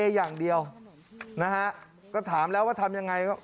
อย่างเดียวนะฮะก็ถามแล้วว่าทำยังไง